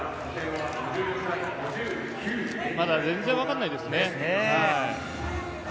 まだ全然わからないですね。